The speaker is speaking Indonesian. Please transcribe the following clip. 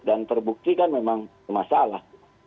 dan terbukti kan memang masalah